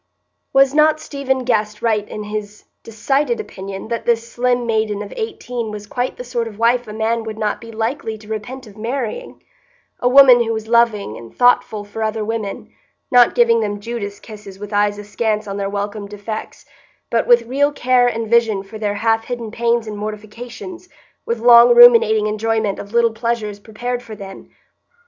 Was not Stephen Guest right in his decided opinion that this slim maiden of eighteen was quite the sort of wife a man would not be likely to repent of marrying,—a woman who was loving and thoughtful for other women, not giving them Judas kisses with eyes askance on their welcome defects, but with real care and vision for their half hidden pains and mortifications, with long ruminating enjoyment of little pleasures prepared for them?